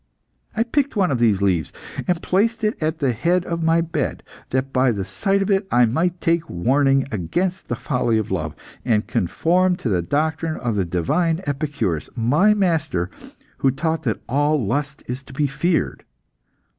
I picked one of these leaves, and placed it at the head of my bed, that by the sight of it I might take warning against the folly of love, and conform to the doctrine of the divine Epicurus, my master, who taught that all lust is to be feared.